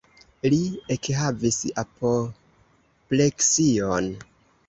Li ekhavis apopleksion.